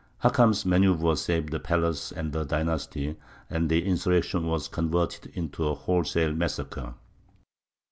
Hakam's manœuvre saved the palace and the dynasty; and the insurrection was converted into a wholesale massacre.